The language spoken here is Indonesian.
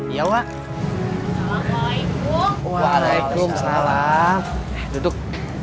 ya wak waalaikumsalam duduk